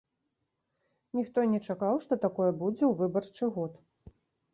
Ніхто не чакаў, што такое будзе ў выбарчы год.